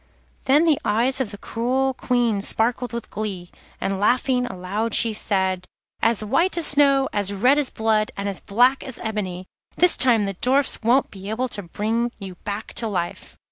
Then the eyes of the cruel Queen sparkled with glee, and laughing aloud she cried: 'As white as snow, as red as blood, and as black as ebony, this time the Dwarfs won't be able to bring you back to life.